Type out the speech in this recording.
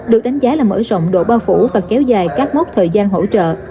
được đánh giá là mở rộng độ bao phủ và kéo dài các mốc thời gian hỗ trợ